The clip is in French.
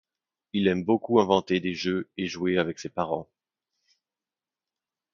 Il aime beaucoup inventer des jeux et jouer avec ses parents.